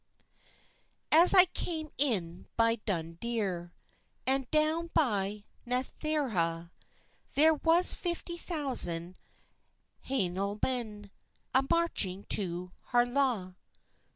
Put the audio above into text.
AS I came in by Dunidier, An doun by Netherha, There was fifty thousand Hielanmen A marching to Harlaw.